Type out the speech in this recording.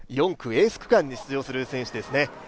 ４区、エース区間に出場する選手ですね。